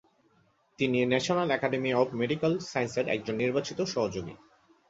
তিনি national academy of medical সায়েন্সের একজন নির্বাচিত সহযোগী।